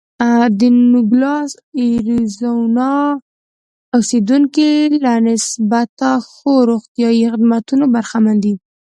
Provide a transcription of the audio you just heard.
د نوګالس اریزونا اوسېدونکي له نسبتا ښو روغتیايي خدمتونو برخمن دي.